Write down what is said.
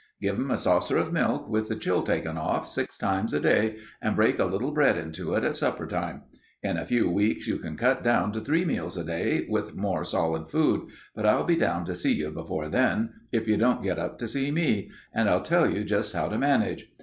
"Give 'em a saucer of milk with the chill taken off, six times a day, and break a little bread into it at supper time. In a few weeks you can cut down to three meals a day, with more solid food, but I'll be down to see you before then, if you don't get up to see me, and I'll tell you just how to manage.